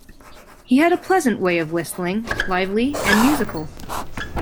He had a pleasant way of whistling, lively and musical.